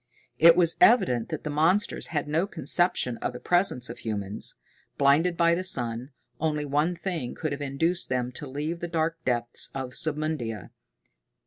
It was evident that the monsters had no conception of the presence of humans. Blinded by the sun, only one thing could have induced them to leave the dark depths of Submundia.